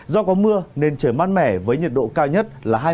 do có mưa nên trời mát mẻ với nhiệt độ cao nhất